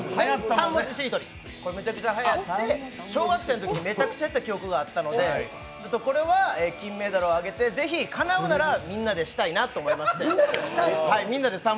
３文字しりとり、これめちゃくちゃはやって、小学生のときにめちゃくちゃやった記憶があったのでこれは金メダルをあげて、是非かなうならみんなでしたいなと思いまして。